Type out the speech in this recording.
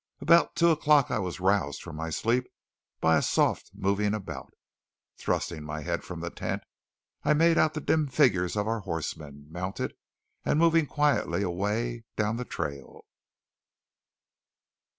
About two o'clock I was roused from my sleep by a soft moving about. Thrusting my head from the tent I made out the dim figures of our horsemen, mounted, and moving quietly away down the trail.